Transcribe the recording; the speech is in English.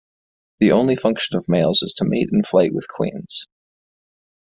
The only function of males is to mate in flight with queens.